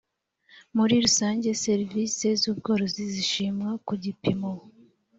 muri rusange serivisi z ubworozi zishimwa ku gipimo